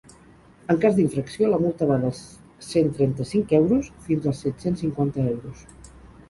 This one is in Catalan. En cas d’infracció, la multa va dels cent trenta-cinc euros fins als set-cents cinquanta euros.